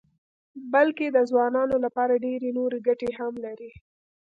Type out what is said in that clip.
بلکې د ځوانانو لپاره ډېرې نورې ګټې هم لري.